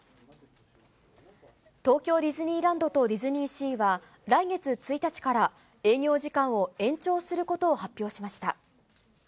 東京ディズニーランドとディズニーシーは、来月１日から営業時間を延長することを発表しました。